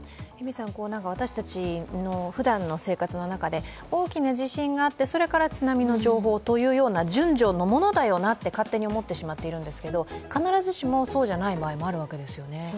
私たち、ふだんの生活の中で大きな地震があって、それから津波の情報というような順序のものだよなと勝手に思ってしまっているんですけど必ずしもそうじゃない場合もあるわけですよね？